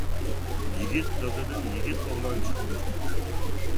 يىگىت دادىدىن يىگىت ئوغلان چىقىدۇ.